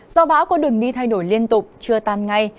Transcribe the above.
do bão có đường đi thay đổi liên tục chưa tan ngay